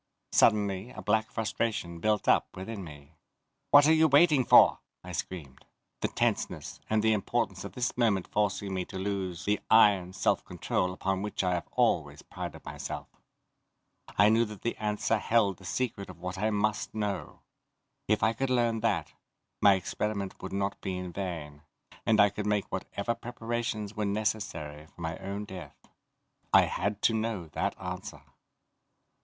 Suddenly a black frustration built up within me. "What are you waiting for?" I screamed, the tenseness, and the importance of this moment forcing me to lose the iron self control upon which I have always prided myself. I knew that the answer held the secret of what I must know. If I could learn that, my experiment would not be in vain, and I could make whatever preparations were necessary for my own death. I had to know that answer.